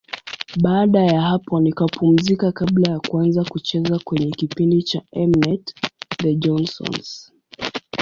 Baada ya hapo nikapumzika kabla ya kuanza kucheza kwenye kipindi cha M-net, The Johnsons.